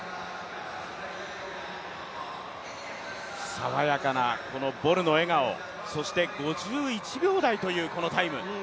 さわやかなボルの笑顔そして、５１秒台というこのタイム。